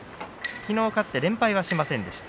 昨日勝って連敗はしませんでした。